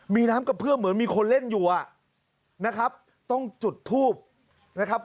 มีน้ำกระเพื่อมเหมือนมีคนเล่นอยู่อ่ะนะครับต้องจุดทูบนะครับ